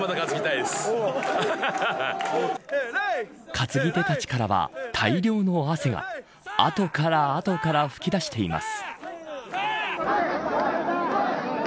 担ぎ手たちからは大量の汗が後から後から噴き出しています。